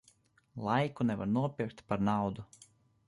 Laiku nevar nopirkt pa naudu.